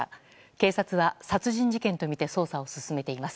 警察は殺人事件とみて捜査を進めています。